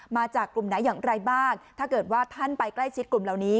มาจากกลุ่มไหนอย่างไรบ้างถ้าเกิดว่าท่านไปใกล้ชิดกลุ่มเหล่านี้